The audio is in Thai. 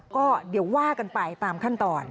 ก็เดี๋ยวว่ากันไปตามขั้นตอน